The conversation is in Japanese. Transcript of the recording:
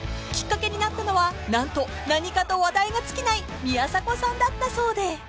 ［きっかけになったのはなんと何かと話題が尽きない宮迫さんだったそうで］